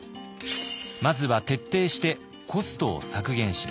まずは徹底してコストを削減します。